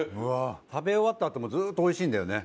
食べ終わったあともずっと美味しいんだよね